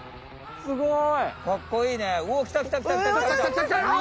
すごい！